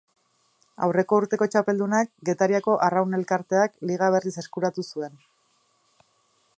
Aurreko urteko txapeldunak, Getariako Arraun Elkarteak, Liga berriz eskuratu zuen.